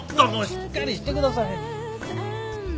しっかりしてください。